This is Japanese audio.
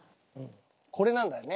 これなんだよね。